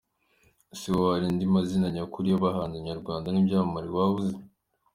Ese wowe hari andi mazina nyakuri y'abahanzi nyarwanda n'ibyamamare waba uzi?.